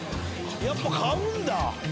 やっぱ買うんだ。